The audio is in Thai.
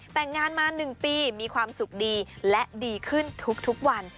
แต่งงานมา๑ปีมีความสุขดีและดีขึ้นทุกวัน